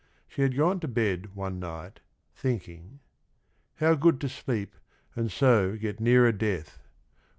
She had gone to bed one night, thinking: "' How good to sleep and so get nearer death